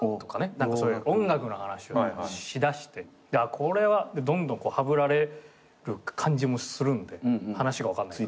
何かそういう音楽の話をしだしてこれはどんどんはぶられる感じもするんで話が分かんないから。